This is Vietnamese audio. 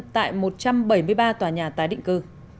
tại một trăm bảy mươi ba tòa nhà tái định cư